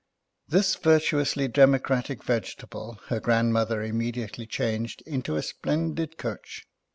This virtuously democratic vegetable her grandmother immediately changed into a splendid coach.